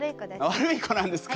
悪い子なんですか？